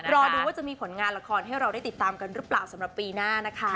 รอดูว่าจะมีผลงานละครให้เราได้ติดตามกันหรือเปล่าสำหรับปีหน้านะคะ